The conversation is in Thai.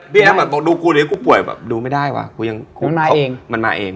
พี่แจ๊คบอกดูกูหรือดูกูป่วยดูไม่ได้ว่ะมันมาเอง